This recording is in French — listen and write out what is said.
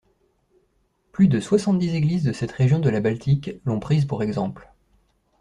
Plus de soixante-dix églises de cette région de la Baltique l'ont prise pour exemple.